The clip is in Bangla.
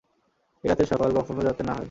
এই রাতের সকাল কখনও যাতে না হয়।